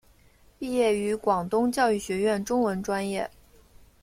毕业于广东教育学院中文专业。